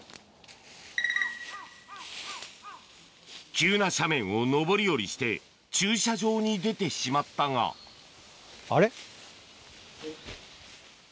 急な斜面を上り下りして駐車場に出てしまったがはい。